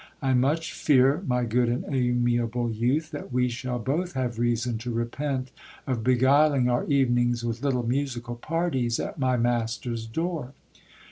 I much fear, my good and amiable youth, that we shall both have reason to repent of beguiling our evenings with little musical parties at my master's door.